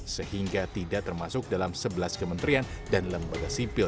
sehingga tidak termasuk dalam sebelas kementerian dan lembaga sipil